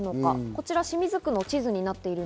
こちら清水区の地図です。